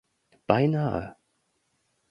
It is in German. Beinahe.